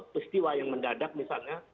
pestiwa yang mendadak misalnya